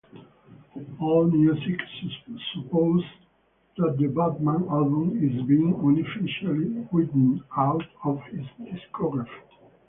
AllMusic supposes that the "Batman" album is being unofficially written out of his discography.